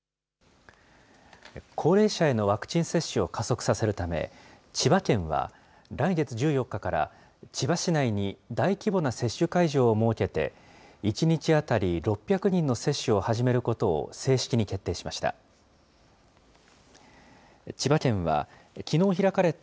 高齢者へのワクチン接種を加速させるため、千葉県は、来月１４日から千葉市内に大規模な接種会場を設けて、１日当たり６００人の接種を始めることを正式に決定しました。